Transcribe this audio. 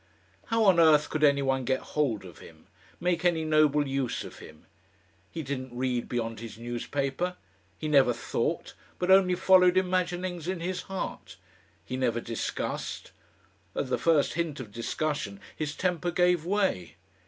How on earth could any one get hold of him, make any noble use of him? He didn't read beyond his newspaper. He never thought, but only followed imaginings in his heart. He never discussed. At the first hint of discussion his temper gave way.